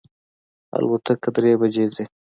الوتکه درې بجی ځي